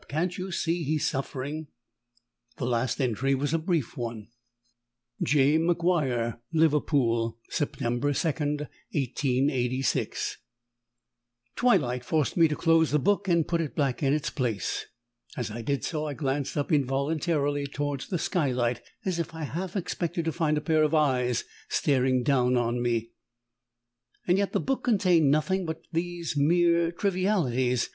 can't you see he's suffering?)_ The last entry was a brief one: J. MacGuire, Liverpool. September 2nd, 1886. Twilight forced me to close the book and put it back in its place. As I did so, I glanced up involuntarily towards the skylight, as if I half expected to find a pair of eyes staring down on me. Yet the book contained nothing but these mere trivialities.